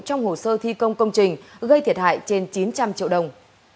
trong hồ sơ thi công công trình gây thiệt hại trên chín trăm linh triệu đồng